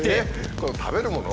これ食べるもの？